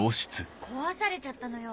壊されちゃったのよ